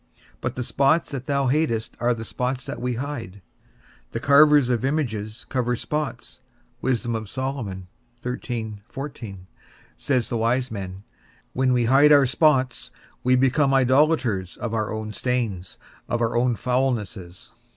But the spots that thou hatest are the spots that we hide. The carvers of images cover spots, says the wise man; when we hide our spots, we become idolators of our own stains, of our own foulnesses.